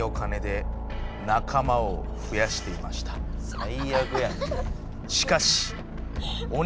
最悪やんけ。